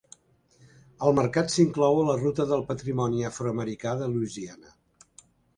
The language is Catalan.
El mercat s'inclou a la ruta del patrimoni afroamericà de Louisiana.